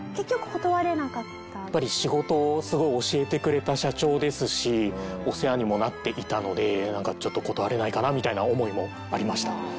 でもやっぱり仕事をすごい教えてくれた社長ですしお世話にもなっていたのでなんかちょっと断れないかなみたいな思いもありました。